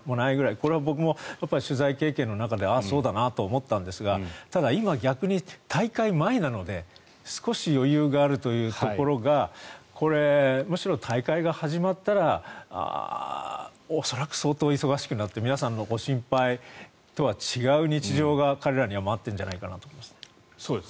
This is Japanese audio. これは僕も取材経験の中でそうだなと思ったんですがただ今、逆に大会前なので少し余裕があるというところがむしろ大会が始まったら恐らく相当忙しくなって皆さんのご心配とは違う日常が彼らには待ってるんじゃないかと思います。